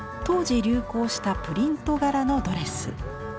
当時流行したプリント柄のドレス。